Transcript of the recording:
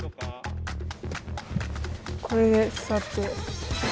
これで座って。